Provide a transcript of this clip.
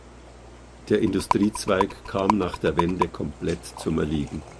Der Industriezweig kam nach der Wende komplett zum Erliegen.